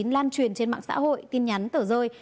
lan truyền trên mạng xã hội tin nhắn tờ rơi